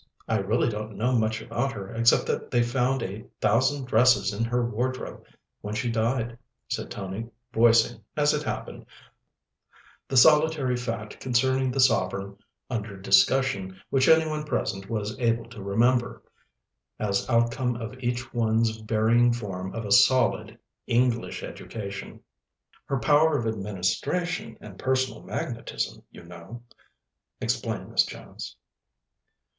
I really don't know much about her, except that they found a thousand dresses in her wardrobe when she died," said Tony, voicing, as it happened, the solitary fact concerning the Sovereign under discussion which any one present was able to remember, as outcome of each one's varying form of a solid English education. "Her power of administration and personal magnetism, you know," explained Miss Jones.